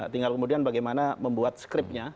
tinggal kemudian bagaimana membuat skriptnya